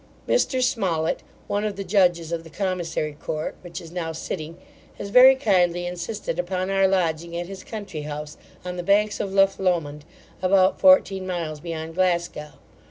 Mr Smollett, one of the judges of the commissary court, which is now sitting, has very kindly insisted upon our lodging at his country house, on the banks of Lough Lomond, about fourteen miles beyond Glasgow.